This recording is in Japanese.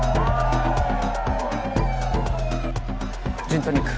ジントニック。